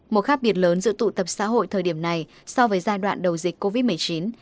một khác biệt lớn giữa tụ tập xã hội thời điểm này so với giai đoạn đầu dịch covid một mươi chín